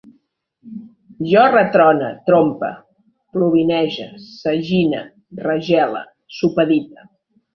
Jo retrone, trompe, plovinege, sagine, regele, supedite